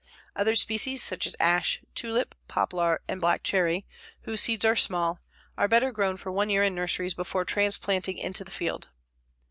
Other species, such as ash, tulip, poplar, and black cherry, whose seeds are small, are better grown for one year in nurseries before transplanting into the field.